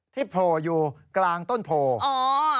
ที่โผล่อยู่กลางต้นโผล่